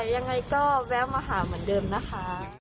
ยังไงก็แวะมาหาเหมือนเดิมนะคะ